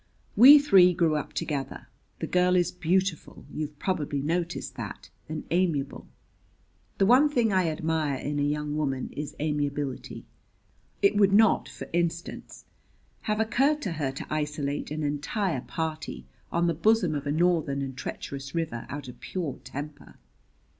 "We three grew up together. The girl is beautiful you've probably noticed that and amiable. The one thing I admire in a young woman is amiability. It would not, for instance, have occurred to her to isolate an entire party on the bosom of a northern and treacherous river out of pure temper."